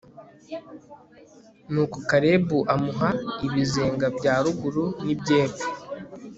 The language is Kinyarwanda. nuko kalebu amuha ibizenga bya ruguru n'iby'epfo